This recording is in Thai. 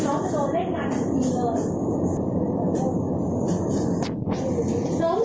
แล้วพี่จะทิ้งหมาพี่ไว้ในรถตอนพี่มาซื้อของในเซเว่นได้ยังไง